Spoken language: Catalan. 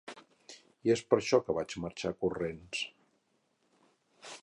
I és per això que vaig marxar corrents.